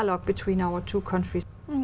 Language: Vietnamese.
nó sẽ được kết thúc